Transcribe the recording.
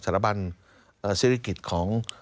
สถานบันธุรกิจของ